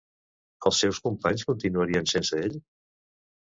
Els seus companys continuarien sense ell?